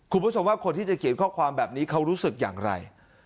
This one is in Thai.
คุณผู้ชมว่าคนที่จะเขียนข้อความแบบนี้เขารู้สึกอย่างไร